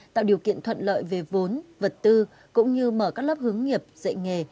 tạo điều kiện thuận lợi về vốn vật tư cũng như mở các lớp hướng nghiệp dạy nghề